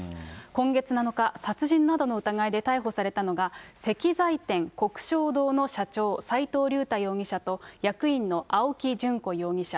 今月７日、殺人などの疑いで逮捕されたのが、石材店、鵠祥堂の社長、斎藤竜太容疑者と、役員の青木淳子容疑者。